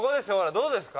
どうですか？」